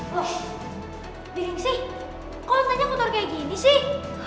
loh bining sih kok lantainya kotor kayak gini sih